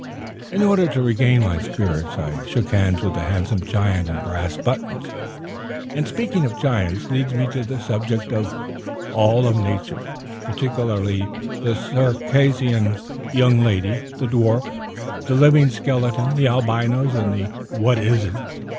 In order to regain my spirits, I shook hands with the handsome giant in brass buttons; and speaking of giants leads me to the subject of all lusus naturæ, particularly the Circassian young lady, the dwarf, the living skeleton, the Albinos, and What is it.